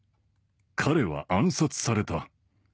彼は暗殺された。